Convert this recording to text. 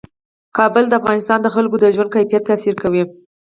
کابل د افغانستان د خلکو د ژوند کیفیت تاثیر کوي.